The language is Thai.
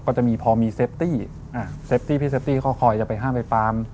ก็จะมีพอมีเซฟตี้เซฟตี้พี่เซฟตี้เขาคอยจะไปห้ามไปปาม